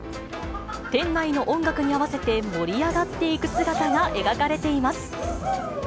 店内の音楽に合わせて盛り上がっていく姿が描かれています。